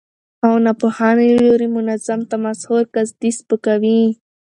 او ناپوهانو له لوري منظم تمسخر، قصدي سپکاوي،